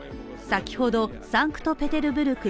先ほど、サンクトペテルブルク